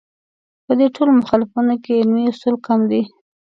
په دې ټولو مخالفتونو کې علمي اصول کم دي.